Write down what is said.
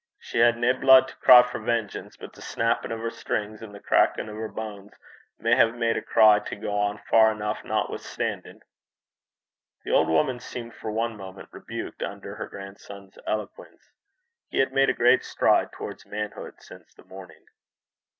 She had nae blude to cry for vengeance; but the snappin' o' her strings an' the crackin' o' her banes may hae made a cry to gang far eneuch notwithstandin'.' The old woman seemed for one moment rebuked under her grandson's eloquence. He had made a great stride towards manhood since the morning.